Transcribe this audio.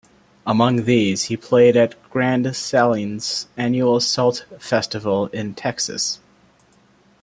Among these, he played at Grand Saline's annual Salt Festival in Texas.